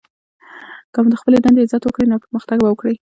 که مو د خپلي دندې عزت وکړئ! نو پرمختګ به وکړئ!